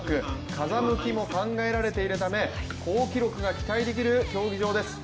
風向きも考えられているため好記録が期待できる競技場です。